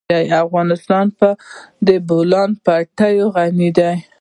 افغانستان په د بولان پټي غني دی.